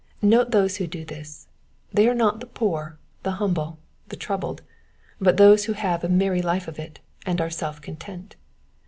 I^^ote those who do this : they are not the poor, the humble, the troubled, but those who have a merry life of it, and are self content.